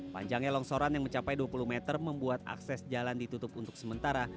panjangnya longsoran yang mencapai dua puluh meter membuat akses jalan ditutup untuk sementara